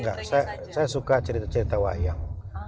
enggak saya suka cerita cerita wayang